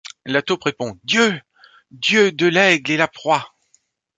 La taupe répond : Dieu ! Dieu de l’aigle est la proie.